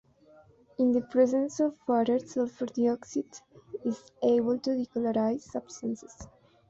In the presence of water, sulfur dioxide is able to decolorize substances.